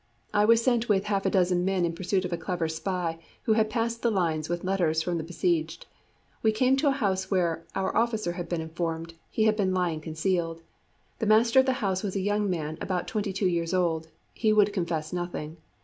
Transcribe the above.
I was sent with half a dozen men in pursuit of a clever spy, who had passed the lines with letters from the besieged. We came to a house where, our officer had been informed, he had been lying concealed. The master of the house was a young man about twenty two years old. He would confess nothing.